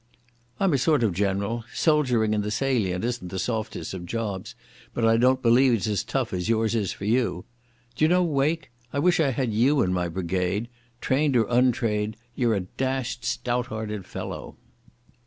"I'm a sort of general. Soldiering in the Salient isn't the softest of jobs, but I don't believe it's as tough as yours is for you. D'you know, Wake, I wish I had you in my brigade. Trained or untrained, you're a dashed stout hearted fellow."